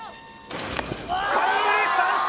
空振り三振！